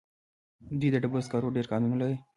دوی د ډبرو سکرو ډېر کانونه لري.